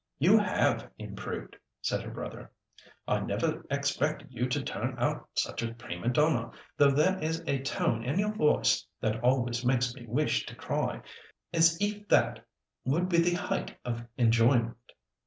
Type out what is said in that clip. "You have improved," said her brother. "I never expected you to turn out such a prima donna, though there is a tone in your voice that always makes me wish to cry, as if that would be the height of enjoyment.